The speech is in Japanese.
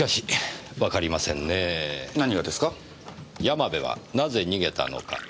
山部はなぜ逃げたのか？